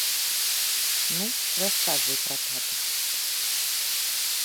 Ну, расказвай пра тату.